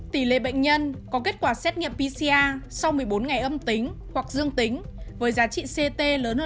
chín mươi chín một tỉ lệ bệnh nhân có kết quả xét nghiệm pcr sau một mươi bốn ngày âm tính hoặc dương tính với giá trị ct